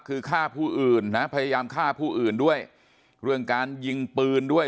คือฆ่าผู้อื่นนะพยายามฆ่าผู้อื่นด้วยเรื่องการยิงปืนด้วย